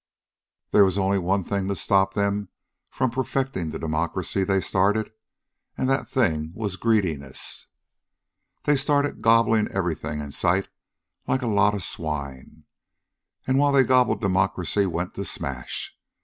There was only one thing to stop them from perfecting the democracy they started, and that thing was greediness. "They started gobbling everything in sight like a lot of swine, and while they gobbled democracy went to smash.